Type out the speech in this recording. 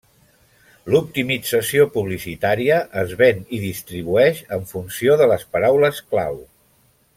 L'optimització publicitària es ven i distribueix en funció de les paraules clau.